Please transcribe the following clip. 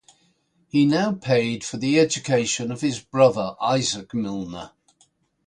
He now paid for the education of his brother Isaac Milner.